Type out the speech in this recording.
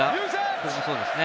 これもそうですね。